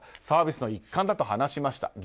サービスの一環だと話しました。